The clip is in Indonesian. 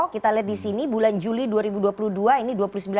kita lihat di sini bulan juli dua ribu dua puluh dua ini dua puluh sembilan